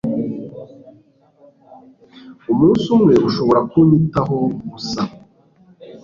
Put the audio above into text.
umunsi umwe ushobora kunyitaho gusa